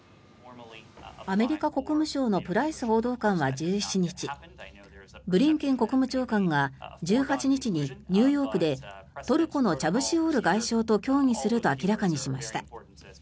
アメリカ国務省のプライス報道官は１７日ブリンケン国務長官が１８日にニューヨークでトルコのチャブシオール外相と協議すると明らかにしました。